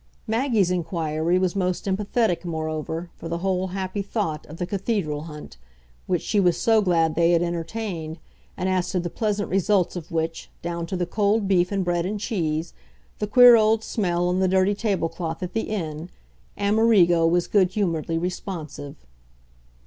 Maggie's inquiry was most empathetic, moreover, for the whole happy thought of the cathedral hunt, which she was so glad they had entertained, and as to the pleasant results of which, down to the cold beef and bread and cheese, the queer old smell and the dirty table cloth at the inn, Amerigo was good humouredly responsive.